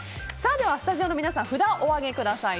ではスタジオの皆さん札をお上げください。